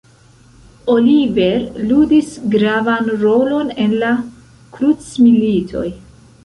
Oliver ludis gravan rolon en la krucmilitoj.